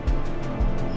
sambil nunggu kita